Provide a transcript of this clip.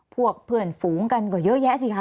พวกเพื่อนฝูงกันก็เยอะแยะสิคะ